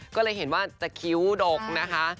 ก็เลยเห็นว่าจะคิ้วดกนะคะ